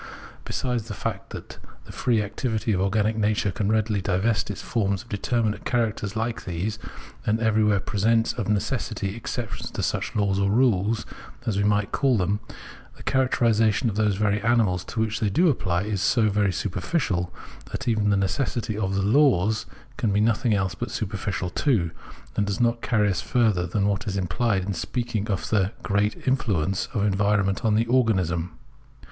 Besides the fact that the free activity of organic nature can readily divest its forms of determinate cha racters like these, and everywhere presents of necessity exceptions to such laws or rules, as we might call them ; the characterisation of those very animals to which they do apply is so very superficial, that even the necessity of the " laws " can be nothing else but superficial too, and does not carry us further than what is implied in speaking of the "great influence" of en vironment on the organism.